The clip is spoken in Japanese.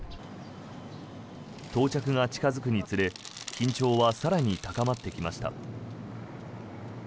到着が近付くにつれ緊張は更に高まってきました。